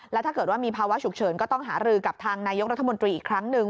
และถ้าเกิดว่ามีภาวะฉุกเฉินก็ต้องหารือกับทางนายกรัฐมนตรีอีกครั้งหนึ่ง